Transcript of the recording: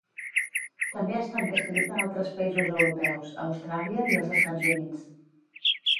També ha estat descrita a altres països europeus, a Austràlia i els Estats Units.